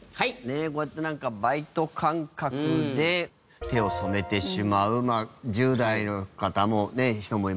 こうやってなんかバイト感覚で手を染めてしまう１０代の人もいますし。